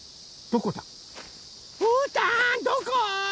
うーたんどこ？